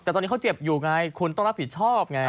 แต่ตอนนี้เขาเจ็บอยู่ไงคุณต้องรับผิดชอบไง